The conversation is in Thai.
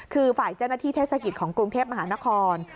คือฝ่ายเจ้าหน้าที่เทศกิจของกรุงเทพมหานคร